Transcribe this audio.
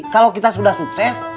kalau kita sudah sukses